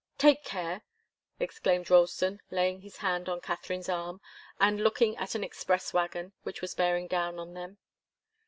"Take care!" exclaimed Ralston, laying his hand on Katharine's arm, and looking at an express wagon which was bearing down on them.